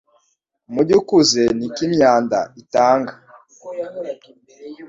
Umujyi ukuze niko imyanda itanga